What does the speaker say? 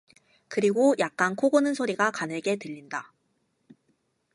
그리고 약간 코 고는 소리가 가늘게 들린다.